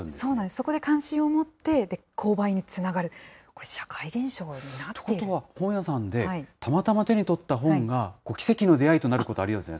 そこで関心を持って購買につながる、これ、社ということは、本屋さんでたまたま手に取った本が、奇跡の出会いとなること、ありえるんですね。